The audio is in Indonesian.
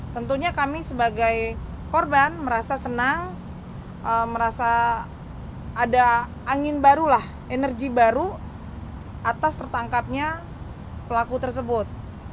tentunya kami sebagai korban merasa senang merasa ada angin barulah energi baru atas tertangkapnya pelaku tersebut